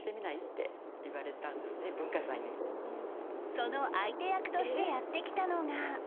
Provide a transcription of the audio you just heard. その相手役としてやって来たのが